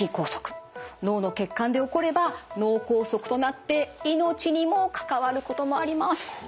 脳の血管で起これば脳梗塞となって命にも関わることもあります。